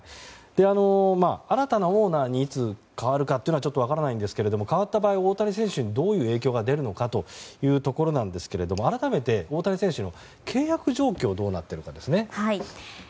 新たなオーナーにいつ代わるかというのは分からないんですが代わった場合、大谷選手にどういう影響が出るのかなんですが改めて大谷選手の契約状況がどうなっているかですね。